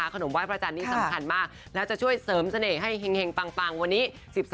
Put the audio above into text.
ไห้พระจันทร์นี้สำคัญมากแล้วจะช่วยเสริมเสน่ห์ให้เห็งปังวันนี้